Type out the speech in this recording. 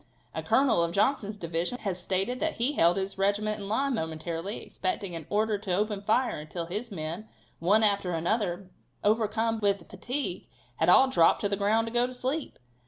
A colonel of Johnson's division has stated that he held his regiment in line, momentarily expecting an order to open fire, until his men, one after another, overcome with fatigue, had all dropped to the ground to go to sleep.